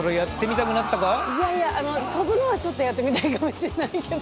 いやいやあの跳ぶのはちょっとやってみたいかもしれないけど。